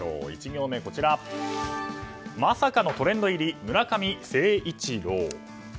１行目は、まさかのトレンド入り村上誠一郎。